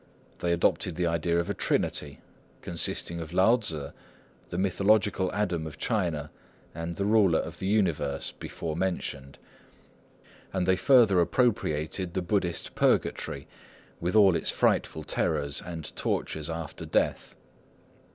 They adopted the idea of a Trinity, consisting of Lao Tzŭ, the mythological Adam of China, and the Ruler of the Universe, before mentioned; and they further appropriated the Buddhist Purgatory with all its frightful terrors and tortures after death.